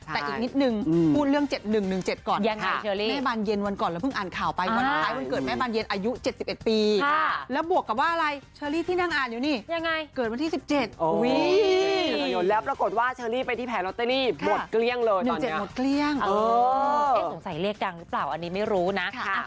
แต่อีกนิดนึงพูดเรื่อง๗๑๑๗ก่อน